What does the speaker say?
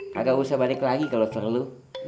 kagak usah balik lagi kalo perlu